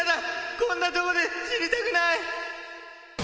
こんなところで死にたくない。